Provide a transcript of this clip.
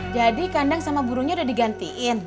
jadi kandang sama burungnya udah digantiin